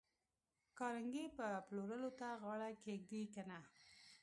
کارنګي به پلورلو ته غاړه کېږدي که نه